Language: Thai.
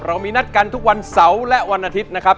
มีนัดกันทุกวันเสาร์และวันอาทิตย์นะครับ